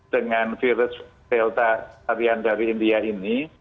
dengan virus delta varian dari india ini